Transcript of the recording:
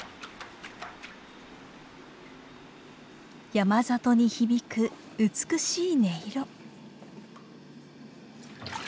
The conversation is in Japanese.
山里に響く美しい音色。